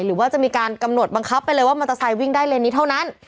หรือว่าจะมีการกำหนดบังคับไปเลยว่ามอเตอร์ไซค์วิ่งได้เลนนี้เท่านั้น